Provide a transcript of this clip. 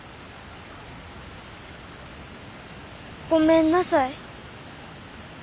ごめんなさい。